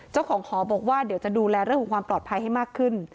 เจ้าของหอบอกว่าเดี๋ยวจะดูแลเรื่องของความปลอดภัยให้มากขึ้น